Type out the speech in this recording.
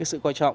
sự quan trọng